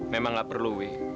memang gak perlu wi